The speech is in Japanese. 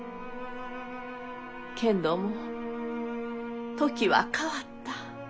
けんども時は変わった。